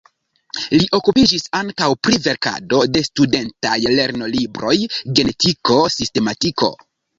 Li okupiĝis ankaŭ pri verkado de studentaj lernolibroj, genetiko, sistematiko.